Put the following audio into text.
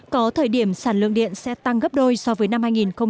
có thời điểm sản lượng điện sẽ tăng gấp đôi so với năm hai nghìn một mươi tám